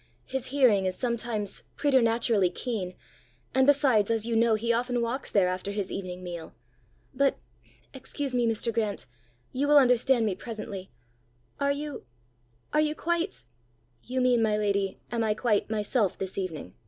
His hearing is sometimes preternaturally keen; and besides, as you know, he often walks there after his evening meal. But excuse me, Mr. Grant you will understand me presently are you are you quite ?" "You mean, my lady am I quite myself this evening!"